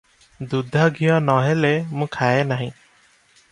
ଦୁଧ ଘିଅ ନ ହେଲେ ମୁଁ ଖାଏ ନାହିଁ ।